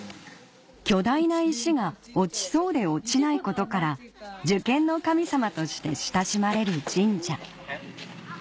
巨大な石が落ちそうで落ちないことから受験の神様として親しまれる神社え？